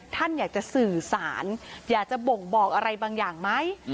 ท่านอยากจะสื่อสารอยากจะบ่งบอกอะไรบางอย่างไหม